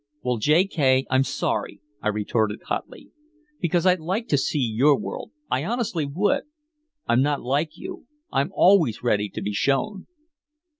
"Well, J. K., I'm sorry," I retorted hotly. "Because I'd like to see your world, I honestly would! I'm not like you, I'm always ready to be shown!"